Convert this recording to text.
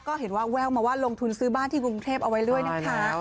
ก็เห็นว่าแววมาว่าลงทุนซื้อบ้านที่กรุงเทพเอาไว้ด้วยนะคะ